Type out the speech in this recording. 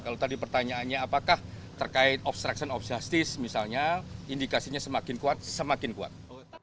kalau tadi pertanyaannya apakah terkait obstruction of justice misalnya indikasinya semakin kuat semakin kuat